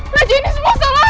raja ini semua salah